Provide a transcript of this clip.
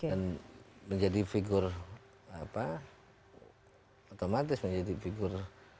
dan menjadi figur apa otomatis menjadi figur